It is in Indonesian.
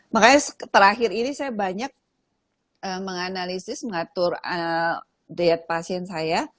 makanya terakhir ini saya banyak menganalisis mengatur diet pasien saya